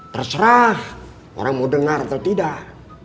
terserah orang mau dengar atau tidak